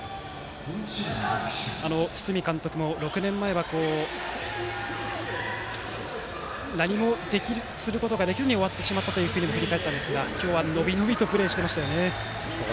堤監督も６年前は何もすることができずに終わってしまったとも振り返ったんですが今日は、伸び伸びとプレーしていましたね。